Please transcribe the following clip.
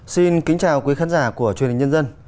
xin kính chào quý khán giả của truyền hình nhân dân